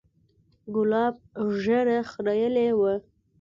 ګلاب ږيره خرييلې وه.